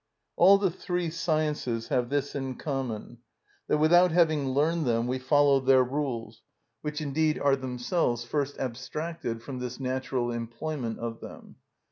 All the three sciences have this in common, that without having learned them we follow their rules, which indeed are themselves first abstracted from this natural employment of them.